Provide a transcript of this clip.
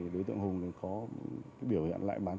đối tượng hùng có biểu hiện